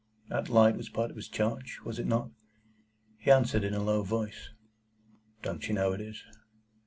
That light was part of his charge? Was it not? He answered in a low voice,—"Don't you know it is?"